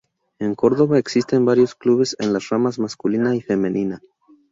En Córdoba existen varios clubes en las ramas masculina y femenina.